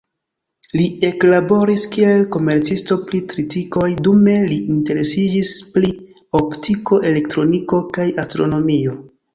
Li eklaboris, kiel komercisto pri tritikoj, dume li interesiĝis pri optiko, elektroniko kaj astronomio.